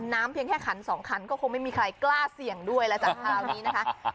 เพียงแค่ขันสองขันก็คงไม่มีใครกล้าเสี่ยงด้วยแล้วจากคราวนี้นะคะ